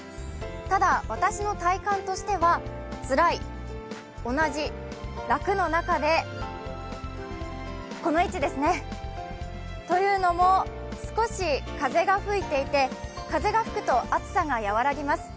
ただ、私の体感としてはつらい、同じ、楽の中でこの位置ですね。というのも少し風が吹いていて、風が吹くと暑さが和らぎます。